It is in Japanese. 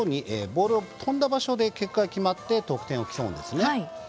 ボールが飛んだ場所で結果が決まって得点を競います。